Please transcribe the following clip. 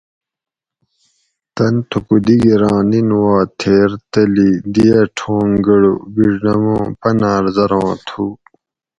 تن تھوکو دِگیراں نِن وا تھیر تلی دی اَ ٹھونگ گۤڑو بِڛدمو پناۤر زراں تھو